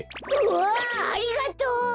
うわありがとう！